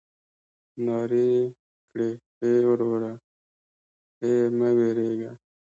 نارې يې کړې ای وروره ای مه وېرېږه.